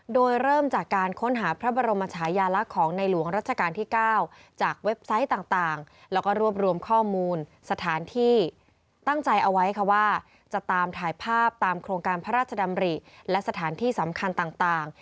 โดยเริ่มจากการค้นหาพระบรมชายาลักษณ์ของในหลวงรัชกาลที่๙จากเว็บไซต์ต่าง